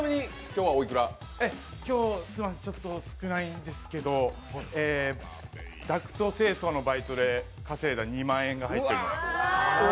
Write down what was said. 今日はすみません、ちょっと少ないんですけど、ダクト清掃のバイトで稼いだ２万円が入ってます。